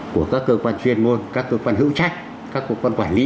của các cơ quan chuyên môn các cơ quan hữu trách các cơ quan quản lý